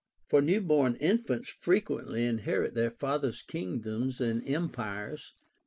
For new born infants frequently inherit their father's kingdoms and empires.